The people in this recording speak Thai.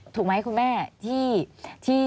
ถูกไหมคุณแม่